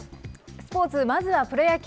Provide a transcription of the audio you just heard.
スポーツ、まずはプロ野球。